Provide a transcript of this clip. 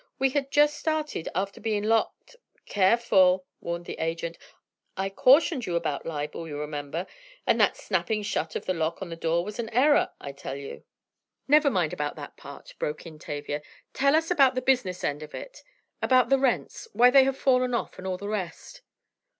"We had just started after being locked——" "Careful!" warned the agent. "I cautioned you about libel, you remember, and that snapping shut of the lock on the door was an error, I tell you." "Never mind about that part," broke in Tavia. "Tell us about the business end of it. About the rents, why they have fallen off, and all the rest."